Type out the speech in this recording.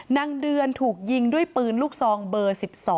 นางเดือนถูกยิงด้วยปืนลูกซองเบอร์๑๒